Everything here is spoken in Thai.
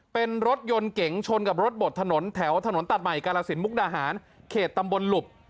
เป็นรถยนต์เก๋งชนกับรถบดถนนแถวถนนตัดใหม่กาลสินมุกดาหารเขตตำบลหลุบ